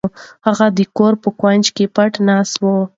هغه د کور په کونج کې پټه ناسته وه.